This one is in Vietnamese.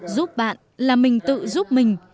giúp bạn là mình tự giúp mình